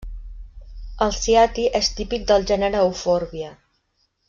El ciati és típic del gènere eufòrbia.